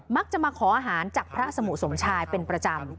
มักจะมาขออาหารจากพระสมุสมชายเป็นประจำ